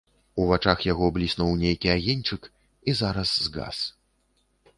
У вачах яго бліснуў нейкі агеньчык і зараз згас.